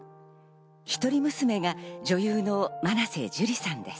１人娘が女優の真瀬樹里さんです。